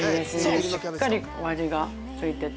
しっかりお味がついてて。